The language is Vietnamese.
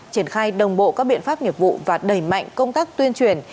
triển khai đồng bộ các biện pháp nghiệp vụ và đẩy mạnh công tác tuyên truyền